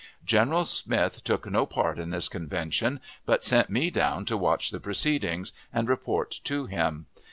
General Smith took no part in this convention, but sent me down to watch the proceedings, and report to him.